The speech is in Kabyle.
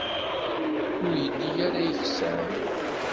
Ur yelli ara yeksan.